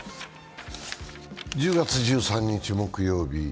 １０月１３日、木曜日。